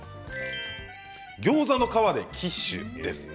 ギョーザの皮でキッシュです。